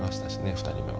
２人目は。